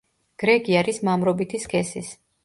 გრეგი არის მამრობითი სქესის.